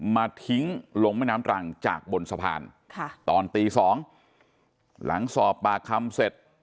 มาทิ้งลงแม่น้ำตรังจากบนสะพานค่ะตอนตีสองหลังสอบปากคำเสร็จ